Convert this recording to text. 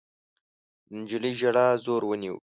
د نجلۍ ژړا زور ونيو.